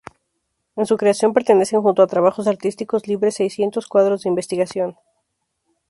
En su creación pertenecen junto a trabajos artísticos libres seiscientos cuadros de investigación.